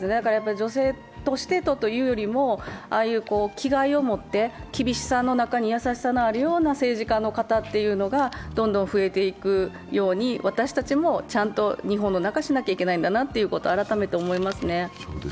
女性としてというよりも、ああいう気概を持って厳しさの中に優しさがある政治家の方がどんどん増えていくように私たちもちゃんと日本の中をしないといけないんだなと改めて思いますね。